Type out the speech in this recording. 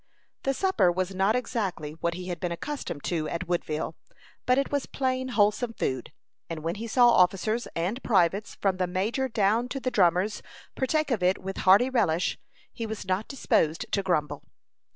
The supper was not exactly what he had been accustomed to at Woodville, but it was plain wholesome food; and when he saw officers and privates, from the major down to the drummers, partake of it with hearty relish, he was not disposed to grumble.